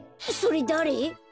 それだれ？